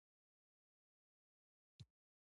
کروموزوم څه شی دی